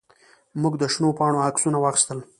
موږ د شنو پاڼو عکسونه واخیستل.